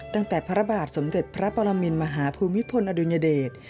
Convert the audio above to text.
ตั้งแต่พระบาทสมเด็จพระปรมินมหาภูมิพลอดุญเดช